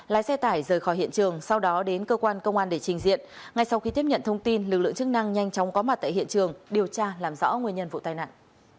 lái xe tải rời khỏi hiện trường sau đó đến cơ quan công an để trình diện ngay sau khi tiếp nhận thông tin lực lượng chức năng nhanh chóng có mặt tại hiện trường điều tra làm rõ nguyên nhân vụ tai nạn